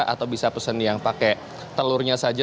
atau bisa pesen yang pakai telurnya saja